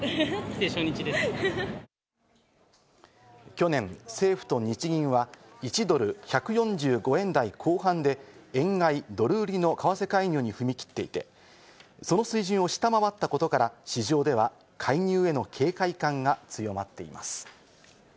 去年、政府と日銀は、１ドル＝１４５円台後半で円買いドル売りの為替介入に踏み切っていて、その水準を下回ったことから、市場では介入への警戒感が強まっています。